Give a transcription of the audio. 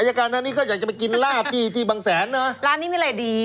การทางนี้ก็อยากจะไปกินลาบที่ที่บางแสนนะร้านนี้มีอะไรดี